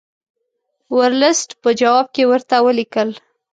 ورلسټ په جواب کې ورته ولیکل.